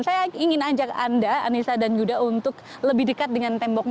saya ingin ajak anda anissa dan yuda untuk lebih dekat dengan temboknya